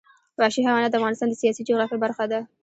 وحشي حیوانات د افغانستان د سیاسي جغرافیه برخه ده.